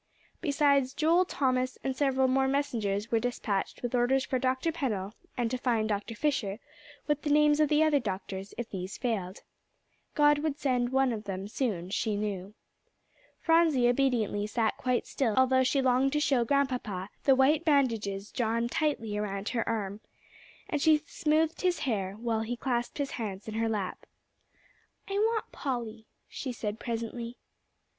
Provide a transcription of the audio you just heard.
Besides Joel, Thomas and several more messengers were despatched with orders for Dr. Pennell and to find Dr. Fisher, with the names of other doctors if these failed. God would send some one of them soon, she knew. Phronsie obediently sat quite still, although she longed to show Grandpapa the white bandages drawn tightly around her arm. And she smoothed his hair, while he clasped his hands in her lap. "I want Polly," she said presently.